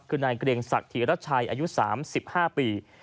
คือนายเกรงสักทีรัชชัยอายุ๓๕ปี